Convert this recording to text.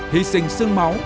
hy sinh sương máu